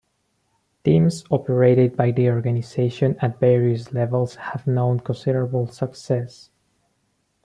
Teams operated by the organization at various levels have known considerable success.